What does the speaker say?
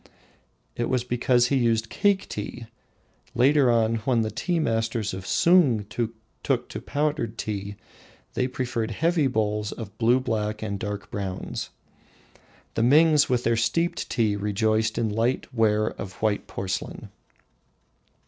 It was because he used cake tea. Later on, when the tea masters of Sung took to the powdered tea, they preferred heavy bowls of blue black and dark brown. The Mings, with their steeped tea, rejoiced in light ware of white porcelain.